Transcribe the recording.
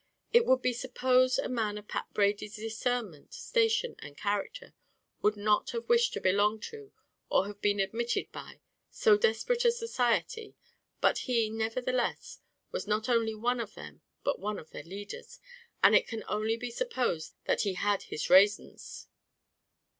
It would be supposed a man of Pat Brady's discernment, station, and character, would not have wished to belong to, or have been admitted by, so desperate a society; but he, nevertheless, was not only of them, but one of their leaders, and it can only be supposed that "he had his rasons."